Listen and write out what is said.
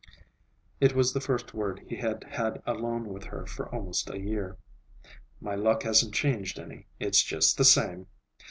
It was the first word he had had alone with her for almost a year. "My luck hasn't changed any. It's just the same."